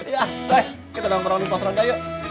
ya doi kita nongkrong di pos raga yuk